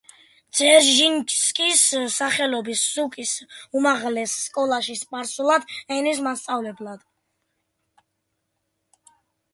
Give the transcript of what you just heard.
ძერჟინსკის სახელობის სუკის უმაღლეს სკოლაში სპარსული ენის მასწავლებლად.